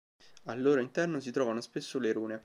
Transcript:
Al loro interno si trovano spesso le rune.